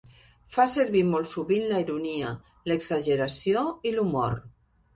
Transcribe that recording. Fa servir molt sovint la ironia, l'exageració i l'humor.